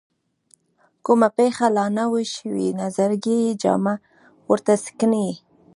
کومه پېښه لا نه وي شوې نظرګي یې جامه ورته سکڼي.